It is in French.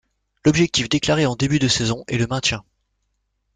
L'objectif déclaré en début de saison est le maintien.